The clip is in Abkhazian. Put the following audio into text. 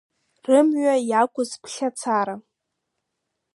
Рымҩа иақәыз ԥхьацара!